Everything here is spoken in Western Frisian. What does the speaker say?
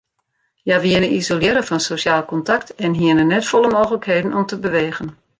Hja wiene isolearre fan sosjaal kontakt en hiene net folle mooglikheden om te bewegen.